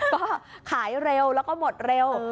ก็ขายเร็วแล้วก็หมดเร็ว